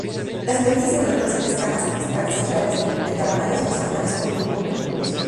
La superficie celular presenta escamas extracelulares, pentagonales o hexagonales, o bien un complejo fibroso.